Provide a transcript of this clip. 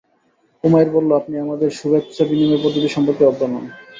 উমাইর বলল, আপনি আমাদের শুভেচ্ছা বিনিময় পদ্ধতি সম্পর্কে অজ্ঞ নন।